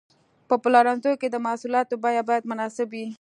په پلورنځي کې د محصولاتو بیه باید مناسب وي.